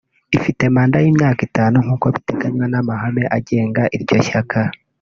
ifite manda y’imyaka itanu nk’uko biteganywa n’amahame agenga iryo shyaka